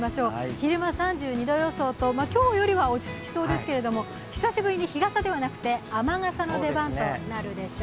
昼間３２度予想と今日よりは落ち着きそうですけれども久しぶりに日傘ではなくて雨傘の出番となるでしょう。